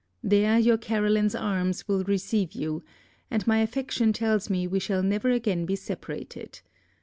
There your Caroline's arms will receive you; and my affection tells me we shall never again be separated.